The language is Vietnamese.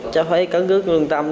cháu phải cấn cức cường tâm